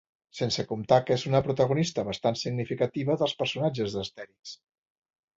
Sense comptar que és una protagonista bastant significativa dels personatges d'Astèrix.